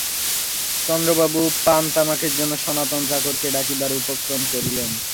চন্দ্রবাবু পান-তামাকের জন্য সনাতন চাকরকে ডাকিবার উপক্রম করিলেন।